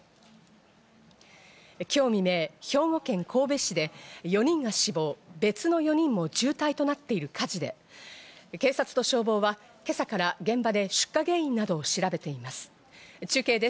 今日未明、兵庫県神戸市で４人が死亡、別の４人も重体となっている火事で、警察と消防は今朝から現場で出火原因などを調べています。